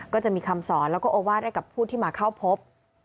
ก็จะมีคำสอนแล้วก็โอวาสให้กับผู้ที่มาเข้าพบ